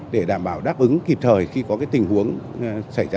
để đảm bảo đáp ứng kịp thời khi có tình huống